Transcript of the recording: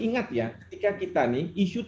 ingat ya ketika kita nih isu